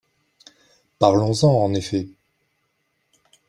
Parlons-en, en effet